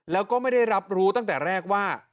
แล้วก็ไม่ได้รับรู้ตั้งแต่แรกว่า